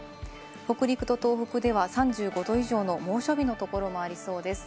北陸と東北では３５℃以上の猛暑日のところもありそうです。